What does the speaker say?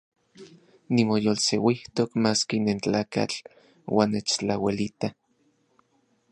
Nimoyolseuijtok maski nentlakatl uan nechtlauelita.